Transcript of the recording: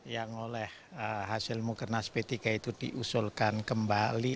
yang oleh hasil mukernas p tiga itu diusulkan kembali